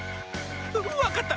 わかった！